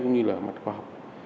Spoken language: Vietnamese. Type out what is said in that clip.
cũng như là mặt khoa học